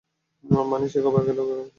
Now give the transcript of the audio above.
মানে সে কবে এগুলো কিনেছিল?